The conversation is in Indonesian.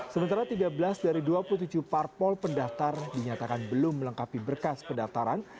sementara tiga belas dari dua puluh tujuh parpol pendaftar dinyatakan belum melengkapi berkas pendaftaran